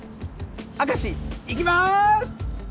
明石いきます！